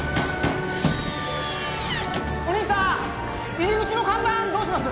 ・お兄さん入り口の看板どうします？